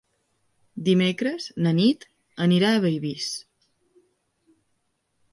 Dimecres na Nit anirà a Bellvís.